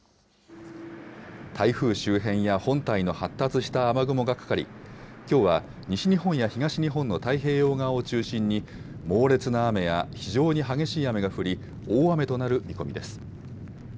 台風周辺や本体の発達した雨雲がかかり、きょうは西日本や東日本の太平洋側を中心に猛烈な雨や非常に激しい雨が降り、大雨となる見込みです。